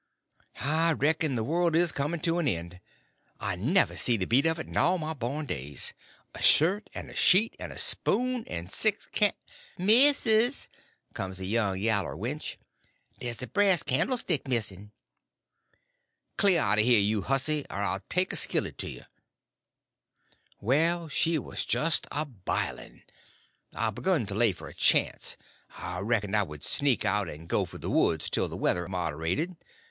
"I reckon the world is coming to an end. I never see the beat of it in all my born days. A shirt, and a sheet, and a spoon, and six can—" "Missus," comes a young yaller wench, "dey's a brass cannelstick miss'n." "Cler out from here, you hussy, er I'll take a skillet to ye!" Well, she was just a biling. I begun to lay for a chance; I reckoned I would sneak out and go for the woods till the weather moderated.